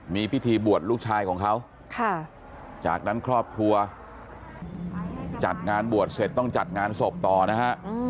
มีพิธีบวชลูกชายของเขาจากนั้นครอบครัวจัดงานบวชเสร็จต้องจัดงานศพต่อนะฮะ